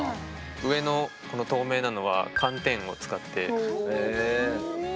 上のこの透明なのは寒天を使ってん！